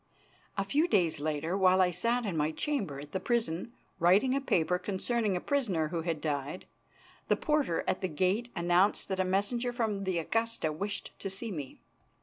A few days later, while I sat in my chamber at the prison writing a paper concerning a prisoner who had died, the porter at the gate announced that a messenger from the Augusta wished to see me.